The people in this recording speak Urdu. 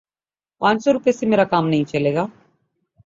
پانچ سو روپے سے میرا کام نہیں چلے گا